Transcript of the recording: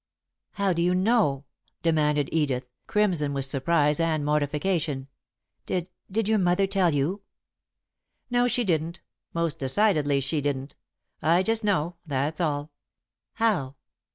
"How do you know?" demanded Edith, crimson with surprise and mortification. "Did did your mother tell you?" "No, she didn't most decidedly she didn't. I just know, that's all." "How?